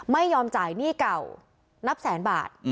ไม่ยอมจ่ายหนี้เก่านับแสนบาท